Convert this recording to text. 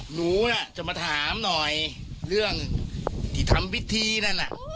หนูน่ะจะมาถามหน่อยเรื่องที่ทำพิธีนั่นน่ะ